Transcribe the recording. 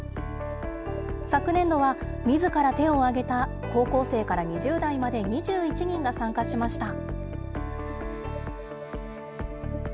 昨年度は、みずから手を挙げた高校生から２０代まで２１人が参加しました。